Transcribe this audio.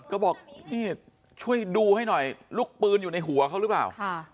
ก็บอกพี่ช่วยดูให้หน่อยลูกปืนอยู่ในหัวเขาหรือเปล่า